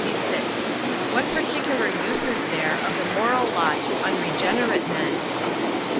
What particular use is there of the moral law to unregenerate men?